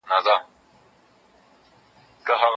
رسول الله ورته وويل: هغونه ځني اخله، چي ستاسو بسيږي.